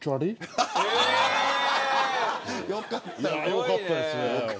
よかったですね。